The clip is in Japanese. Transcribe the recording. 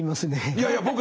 いやいや僕ね